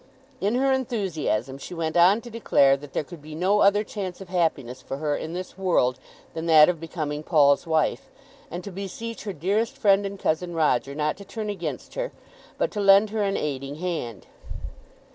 In her enthusiasm she went on to declare that there could be no other chance of happiness for her in this world than that of becoming Paul's wife, and to beseech her dearest friend and cousin Roger not to turn against her, but to lend her an aiding hand.